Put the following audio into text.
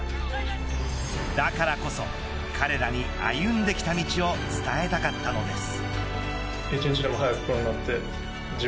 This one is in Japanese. だからこそ彼らに歩んできた道を伝えたかったのです。